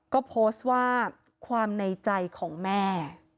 ก็โพสต์ว่าความในใจของแม่